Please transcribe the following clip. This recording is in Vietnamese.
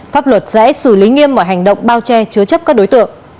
pháp luật sẽ xử lý nghiêm mọi hành động bao che chứa chấp các đối tượng